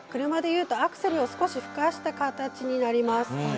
車でいうとアクセルを少しふかした形になります。